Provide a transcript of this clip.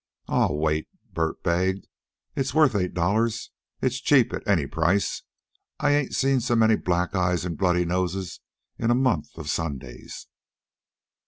"Aw, wait," Bert begged. "It's worth eight dollars. It's cheap at any price. I ain't seen so many black eyes and bloody noses in a month of Sundays."